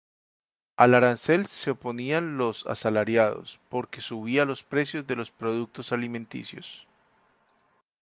Al arancel se oponían los asalariados, porque subía los precios de los productos alimenticios.